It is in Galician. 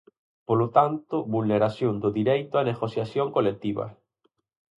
Polo tanto, vulneración do dereito á negociación colectiva.